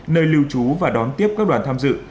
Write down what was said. nơi lưu trú và đón tiếp các đoàn tham dự